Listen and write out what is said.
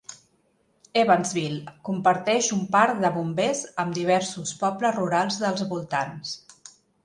Evansville comparteix un parc de bombers amb diversos pobles rurals dels voltants.